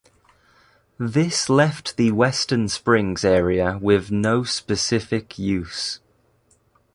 This left the Western Springs area with no specific use.